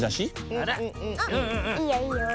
あっいいよいいよ。